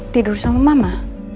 tidur sama mama